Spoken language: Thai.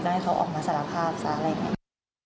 ก็ให้เขาออกมาสารภาพซะอะไรไง